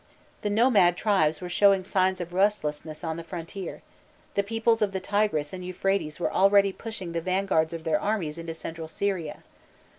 The nomad tribes were showing signs of restlessness on the frontier, the peoples of the Tigris and Euphrates were already pushing the vanguards of their armies into Central Syria.